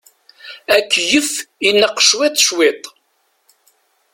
Akeyyef ineqq cwiṭ cwiṭ.